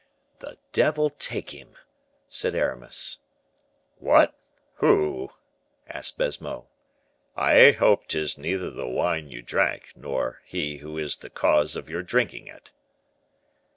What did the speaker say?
"The devil take him," said Aramis. "What! who?" asked Baisemeaux. "I hope 'tis neither the wine you drank nor he who is the cause of your drinking it."